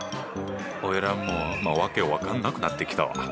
おいらもうわけ分かんなくなってきたわ。